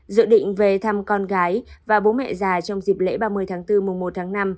dự định về thăm con gái và bố mẹ già trong dịp lễ ba mươi tháng bốn mùa một tháng năm